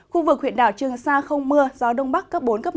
khu vực huyện đảo trường sa không mưa gió đông bắc cấp bốn cấp năm